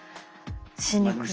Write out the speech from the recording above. しにくい。